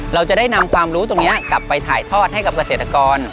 เราจะได้นำความรู้ตรงนี้กลับไปถ่ายทอดให้กับเกษตรกร